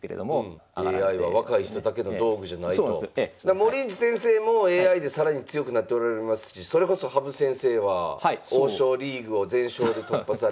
森内先生もＡＩで更に強くなっておられますしそれこそ羽生先生は王将リーグを全勝で突破され。